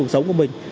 sống của mình